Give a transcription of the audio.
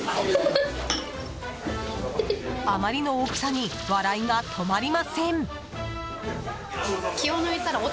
あまりの大きさに笑いが止まりません。